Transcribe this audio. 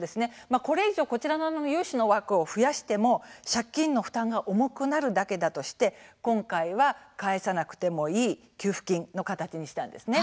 これ以上融資の枠を増やしても借金の負担が重くなるだけだとして今回は返さなくてもいい給付金の形にしたんです。